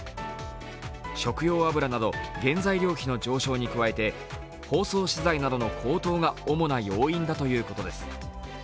食用油など原材料費の上昇に加えて包装資材などの高騰が主な要因だということです。